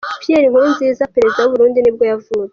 Pierre Nkurunziza, perezida w’u Burundi nibwo yavutse.